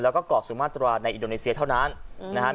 แล้วก็เกาะสุมาตราในอินโดนีเซียเท่านั้นนะครับ